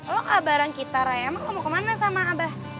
lo gak bareng kita ray emang lo mau kemana sama abah